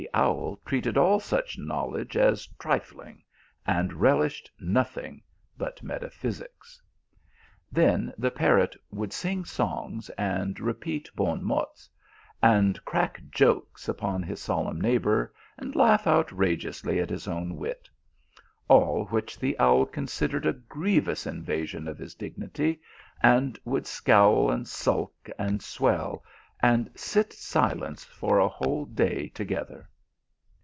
209 owl treated all such knowledge as trifling 1 , and relished nothing but metaphysics. Then the parrot would sing songs and repeat bon mots, and crack jokes upon his solemn neighbour, and laugh out rageously at his own wit ; all which the owl con sidered a grievous invasion of his dignity, and would scowl, and sulk, and swell, and sit silent for a whole day together.